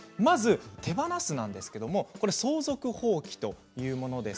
手放すなんですけれども相続放棄というものです。